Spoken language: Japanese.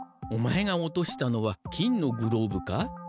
お前が落としたのは金のグローブか？